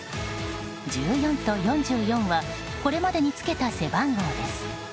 １４と４４はこれまでにつけた背番号です。